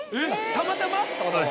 たまたま。